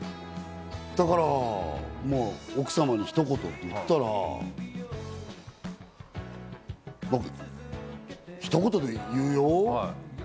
だから奥様にひと言って言ったら、ひと言で言うよ。